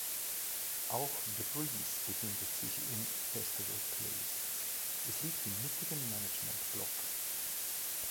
Auch The Breeze befindet sich im Festival Place. Es liegt im mittigen Managementblock.